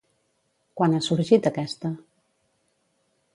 Quan ha sorgit aquesta?